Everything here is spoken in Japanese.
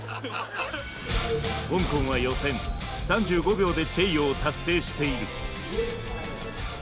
香港は予選３５秒でチェイヨーを達成している。